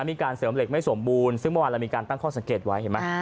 มีการเสริมเหล็กไม่สมบูรณ์ซึ่งเมื่อวานเรามีการตั้งข้อสังเกตไว้เห็นไหม